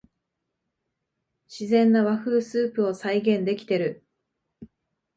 自然な和風スープを再現できてる